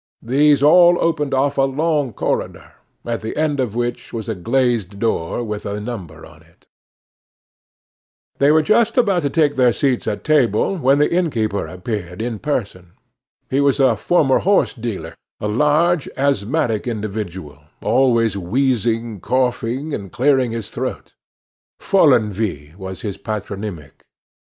These all opened off a long corridor, at the end of which was a glazed door with a number on it. They were just about to take their seats at table when the innkeeper appeared in person. He was a former horse dealer a large, asthmatic individual, always wheezing, coughing, and clearing his throat. Follenvie was his patronymic.